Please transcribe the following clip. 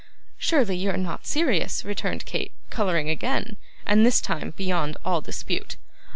'Surely you are not serious,' returned Kate, colouring again; and this time beyond all dispute.